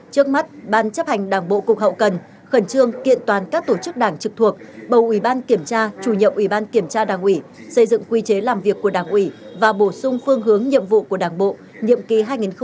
trước mắt ban chấp hành đảng bộ cục hậu cần khẩn trương kiện toàn các tổ chức đảng trực thuộc bầu ủy ban kiểm tra chủ nhiệm ủy ban kiểm tra đảng ủy xây dựng quy chế làm việc của đảng ủy và bổ sung phương hướng nhiệm vụ của đảng bộ nhiệm kỳ hai nghìn hai mươi hai nghìn hai mươi năm